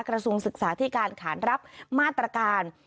กระทรวงศึกษาที่การขานรับมาตรการ